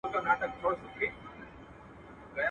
مېړه پر ښځه باندي